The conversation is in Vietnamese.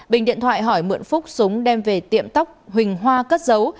bình điện thoại hỏi mượn phúc súng đem về tiệm tóc huỳnh hoa cất giấu